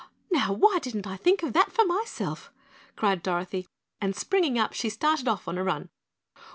"Now, why didn't I think of that myself?" cried Dorothy, and springing up she started off on a run.